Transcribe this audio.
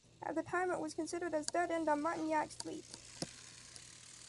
At the time, it continued as dead end on Martignac street.